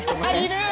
いる！